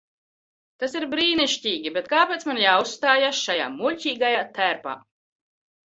Tas ir brīnišķīgi, bet kāpēc man jāuzstājas šajā muļķīgajā tērpā?